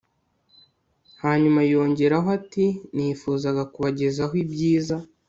hanyuma yongeraho ati “ nifuzaga kubagezaho ibyiza